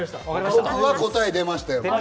僕は答え出ましたよ。